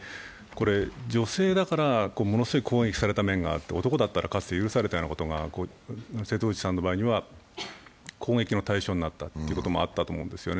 女性だから、ものすごい攻撃された面があって男だったらかつて許されたことが、瀬戸内さんの場合には攻撃の対象になったということもあったと思うんですね。